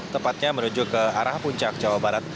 tepatnya menuju ke arah puncak jawa barat